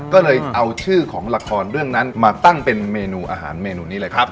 ก็เลยเอาชื่อของละครเรื่องนั้นมาตั้งเป็นเมนูอาหารเมนูนี้เลยครับ